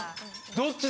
どっちだ